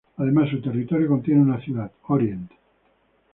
Además, su territorio contiene una ciudad, Orient.